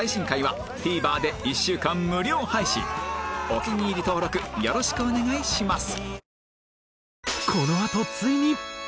お気に入り登録よろしくお願いします